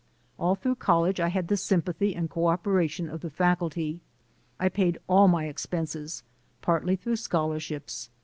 All through college I had the sympathy and cooperation of the faculty. I paid all my expenses, partly through scholarships.